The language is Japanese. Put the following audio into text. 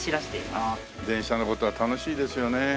電車の事は楽しいですよね。